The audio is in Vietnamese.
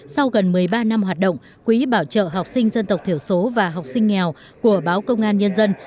sau gần một mươi ba năm hoạt động quỹ bảo trợ học sinh dân tộc thiểu số và học sinh nghèo của báo công an nhân dân